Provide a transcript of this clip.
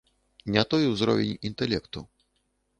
Не той узровень інтэлекту.